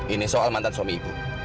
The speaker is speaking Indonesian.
ini soal mantan suami ibu